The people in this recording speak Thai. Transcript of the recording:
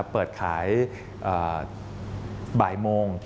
เปิดขายบ่ายโมง